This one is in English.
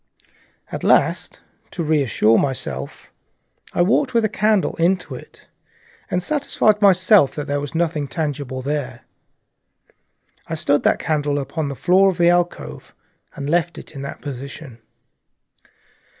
And to reassure myself, I walked with a candle into it and satisfied myself that there was nothing tangible there. I stood that candle upon the floor of the alcove and left it in that position.